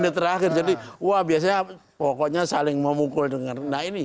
terakhir jadi wah biasanya pokoknya saling memukul dengan nah ini